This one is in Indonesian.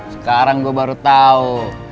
sekarang gua baru tau